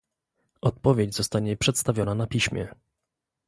Odpowiedź zostanie przedstawiona na piśmie